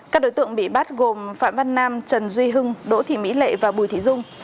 các đối tượng bị bắt gồm phạm văn nam trần duy hưng đỗ thị mỹ lệ và bùi thị dung